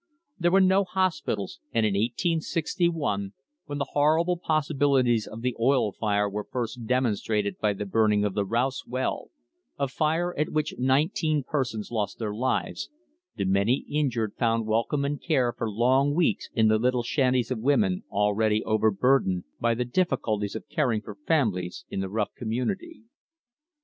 There were no hospitals, and in 1861, when the horrible possibilities of the oil fire were first demonstrated by the burning of the Rouse well, a fire at which nineteen persons lost their lives, the many injured found welcome and care for long weeks in the little shanties of women already o\w,rburdened by the difficulties of caring for families in the rough community.